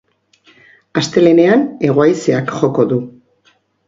Astelehenean hego-haizeak joko du.